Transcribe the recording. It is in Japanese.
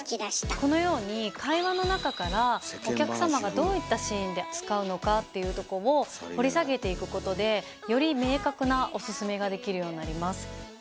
このように会話の中からお客様がどういったシーンで使うのかっていうとこを掘り下げていくことでより明確なオススメができるようになります。